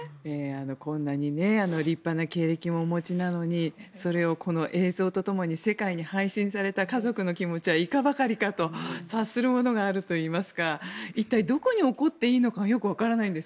こんな立派な経歴もお持ちなのに、こんな映像を世界に配信された家族の気持ちはいかばかりかと察するものがあるといいますか一体、どこに怒っていいかわからないんです。